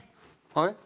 はい？